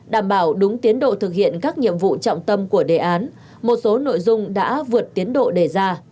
đảm bảo đúng tiến độ thực hiện các nhiệm vụ trọng tâm của đề án một số nội dung đã vượt tiến độ đề ra